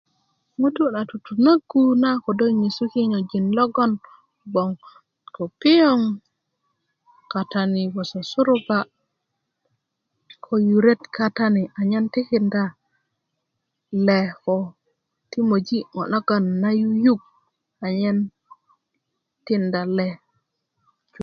ŋutu na tutunogu na kodo nyesu kinyöjin logon goŋ ko piöŋ kata bgoso suruba ko yuret katani anyen tikinda le ko ti moji ŋo nagon na yuyuk anyen tinda le